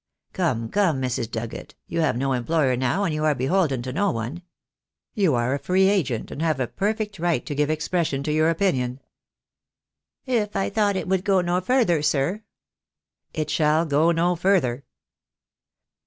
"Come, come, Mrs. Dugget, you have no employer now, and you are beholden to no one, You are a free 5* 68 THE DAY WILL COME. agent, and have a perfect right to give expression to your opinion." "If I thought it would go no further, sir." "It shall go no further."